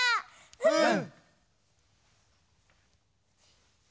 うん！